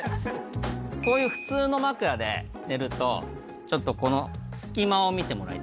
こういう普通の枕で寝るとちょっとこの隙間を見てもらいたいんですけど